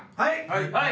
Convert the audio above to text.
はい！